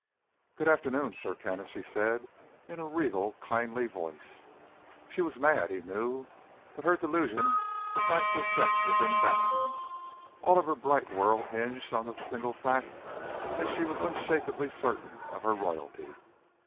"Good afternoon, Sir Kenneth," she said in a regal, kindly voice. She was mad, he knew, but her delusion was nicely kept within bounds. All of her bright world hinged on the single fact that she was unshakably certain of her royalty.